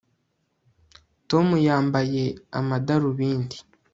Tom yambaye amadarubindi